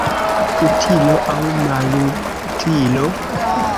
Utilo aŭ malutilo?